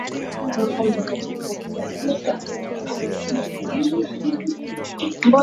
Roho Mtakatifu Umoja halisi wa Kanisa unaweza kupatikana tu katika